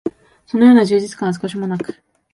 そのような充実感は少しも無く、